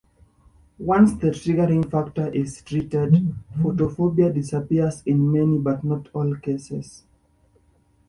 Once the triggering factor is treated, photophobia disappears in many but not all cases.